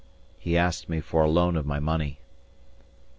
He asked me for a loan of my money.